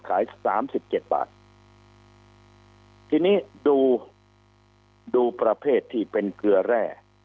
สามสิบเจ็ดบาททีนี้ดูดูประเภทที่เป็นเกลือแร่